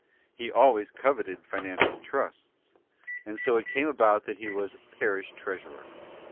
He always coveted financial trusts, and so it came about that he was parish treasurer.